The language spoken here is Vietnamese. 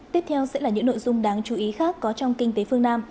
tiếp theo sẽ là những nội dung đáng chú ý khác có trong kinh tế phương nam